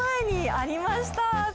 ありました。